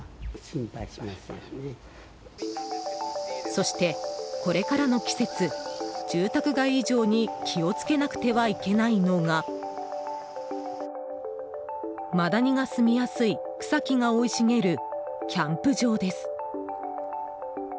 そして、これからの季節住宅街以上に気をつけなくてはいけないのがマダニが住みやすい草木が生い茂るキャンプ場です。